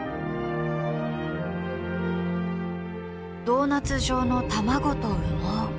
ドーナツ状の卵と羽毛。